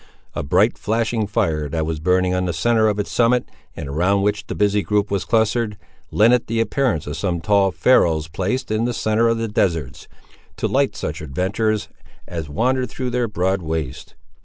A bright flashing fire that was burning on the centre of its summit, and around which the busy group was clustered, lent it the appearance of some tall Pharos placed in the centre of the deserts, to light such adventurers as wandered through their broad wastes.